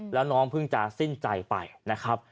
แล้วน้องเพิ่งจะสิ้นใจไปนะครับ